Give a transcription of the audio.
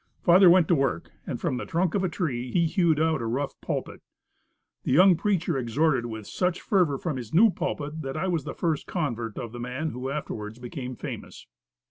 Father went to work, and from the trunk of a tree, he hewed out a rough pulpit! The young preacher exhorted with such fervor from his new pulpit that I was the first convert of the man who afterwards became famous.